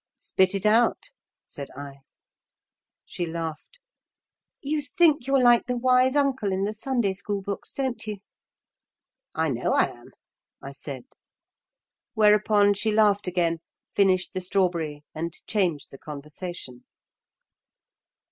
"Spit it out," said I. She laughed. "You think you're like the wise Uncle in the Sunday School books, don't you?" "I know I am," I said. Whereupon she laughed again, finished the strawberry, and changed the conversation.